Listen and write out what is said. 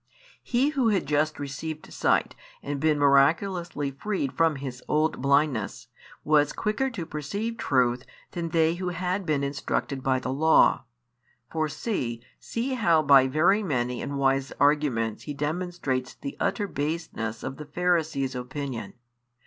He who had just received sight and been miraculously freed from his old blindness, was quicker to perceive truth than they who had been instructed by the law, for see, see how by very many and wise arguments he demonstrates the utter baseness of the Pharisees' opinion.